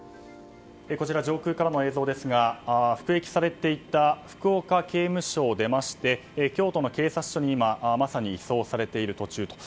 上空からの映像ですが服役されていた福岡刑務所を出まして京都の警察署に今、まさに移送されている途中と。